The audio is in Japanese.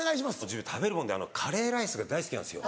自分食べるもんでカレーライスが大好きなんですよ。